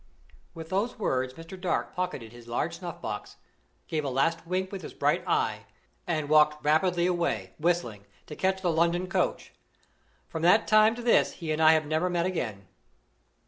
With those words Mr. Dark pocketed his large snuff box, gave a last wink with his bright eye, and walked rapidly away, whistling, to catch the London coach. From that time to this he and I have never met again.